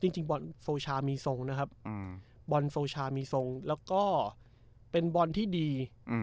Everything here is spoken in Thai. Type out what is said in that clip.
จริงบอลโซชามีทรงนะครับบอลโซชามีทรงแล้วก็เป็นบอลที่ดี